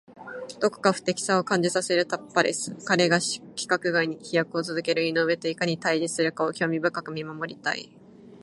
どこか不敵さを感じさせるタパレス。彼が規格外に飛躍を続ける井上といかに対峙するかを興味深く見守りたい。